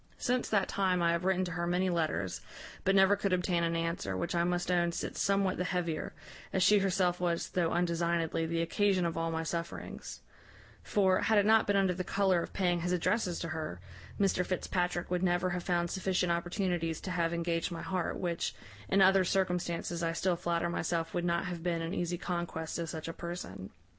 Since that time, I have written to her many letters, but never could obtain an answer, which I must own sits somewhat the heavier, as she herself was, though undesignedly, the occasion of all my sufferings: for, had it not been under the colour of paying his addresses to her, Mr Fitzpatrick would never have found sufficient opportunities to have engaged my heart, which, in other circumstances, I still flatter myself would not have been an easy conquest to such a person.